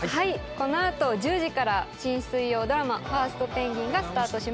この後１０時から新水曜ドラマ『ファーストペンギン！』がスタートします。